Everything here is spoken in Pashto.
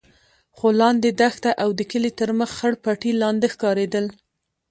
خو لاندې دښته او د کلي تر مخ خړ پټي لانده ښکارېدل.